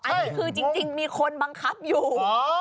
อันนี้คือจริงมีคนบังคับอยู่